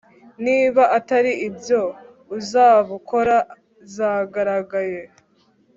niba atari ibyo, uzabukora zagaragaye